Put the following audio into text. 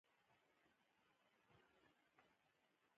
زه کورنۍ ته احترام لرم.